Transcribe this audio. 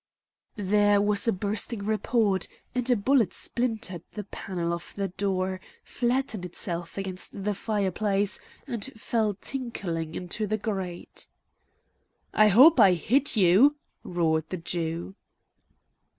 There was a bursting report, and a bullet splintered the panel of the door, flattened itself against the fireplace, and fell tinkling into the grate. "I hope I hit you!" roared the Jew.